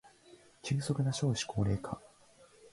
急速な少子高齢化